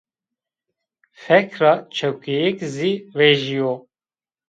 Fek ra çekuyêk zî vejîyo